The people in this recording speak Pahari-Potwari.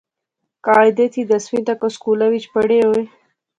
قاعدے تھی دسویں تک او سکولے وچ پڑھںے ہوئے